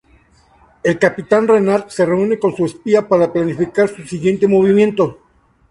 El capitán Renard se reúne con su espía para planificar su siguiente movimiento.